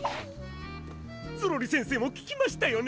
ゾロリせんせも聞きましたよね！